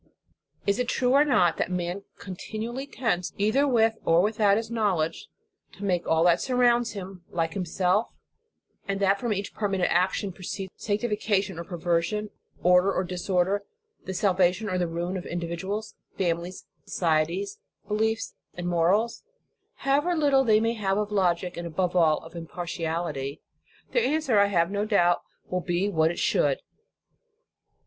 Is it true or not, that man cont nually tends, either with or without his knowledge, 25* 294 The Sign of the Cross. to make all that surrounds him like himself, and that from each permanent action pro ceeds sanctification or perversion, order or disorder, the salvation or the ruin of individ uals, families, societies, beliefs and morals? However little they may have of logic, and above all, of impartiality, their answer, I have no doubt, will be what it should.